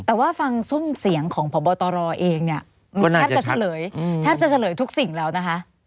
แต่ว่าฟังสุ่มเสียงของพบตลเองแทบจะเฉลยทุกสิ่งแล้วนะคะ